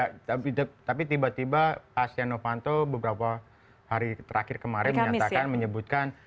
nggak ada tapi tiba tiba asya novanto beberapa hari terakhir kemarin menyatakan menyebutkan